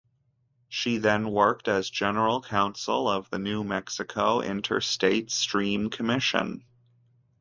She then worked as general counsel of the New Mexico Interstate Stream Commission.